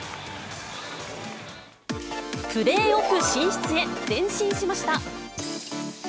プレーオフ進出へ前進しました。